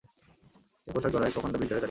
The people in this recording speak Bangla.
এ পোষাক গড়া এক প্রকাণ্ড বিদ্যে হয়ে দাঁড়িয়েছে।